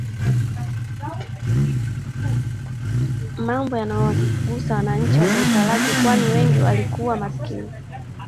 Mambo yanayowagusa wananchi wa taifa lake kwani wengi walikuwa maskini